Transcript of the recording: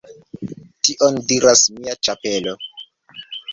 Tion diras mia ĉapelo